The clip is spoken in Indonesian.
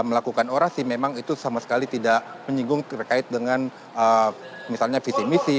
melakukan orasi memang itu sama sekali tidak menyinggung terkait dengan misalnya visi misi